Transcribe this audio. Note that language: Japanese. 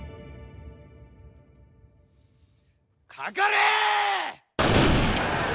かかれ！